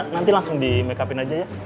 nanti langsung di make up in aja ya